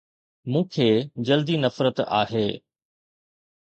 مون کي جلدي نفرت آهي